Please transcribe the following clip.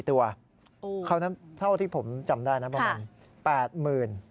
เท่าที่ผมจำได้ประมาณ๘๐๐๐๐